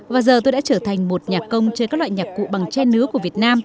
và giờ tôi đã trở thành một nhà công chơi các loại nhạc cụ bằng che nứa của việt nam